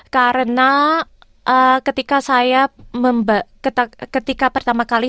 karena ketika pertama kali